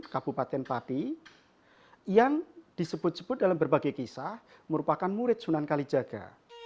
kabupaten pati yang disebut sebut dalam berbagai kisah merupakan murid sunan kalijaga